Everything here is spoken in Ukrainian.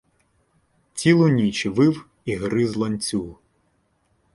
Цілу ніч вив і гриз ланцюг.